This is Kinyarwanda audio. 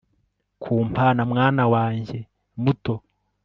Kumpana mwana wanjye muto